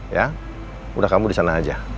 ya udah kamu di sana aja